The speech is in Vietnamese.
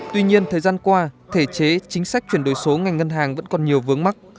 tuy nhiên thời gian qua thể chế chính sách chuyển đổi số ngành ngân hàng vẫn còn nhiều vướng mắt